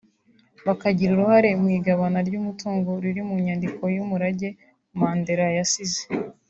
bakagira uruhare mu igabana ry’umutungo riri mu nyandiko y’umurage Mandela yasize